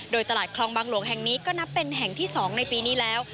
โดยตลาดคลองบางหลวงแห่งนี้ก็นับเป็นแห่งที่๒ในปีนี้แล้ว